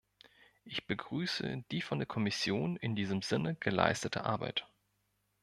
Ich begrüße die von der Kommission in diesem Sinne geleistete Arbeit.